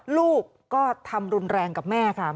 ลูกก็ทำรุนแรงกับแม่ค่ะ